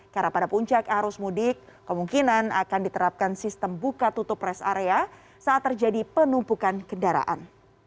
karena pada puncak arus mudik kemungkinan akan diterapkan sistem buka tutup res area saat terjadi penumpukan kendaraan